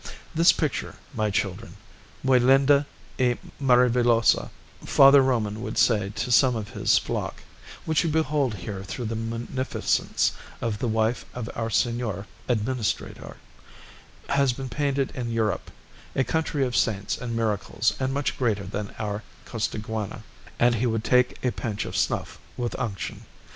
"This picture, my children, muy linda e maravillosa," Father Roman would say to some of his flock, "which you behold here through the munificence of the wife of our Senor Administrador, has been painted in Europe, a country of saints and miracles, and much greater than our Costaguana." And he would take a pinch of snuff with unction.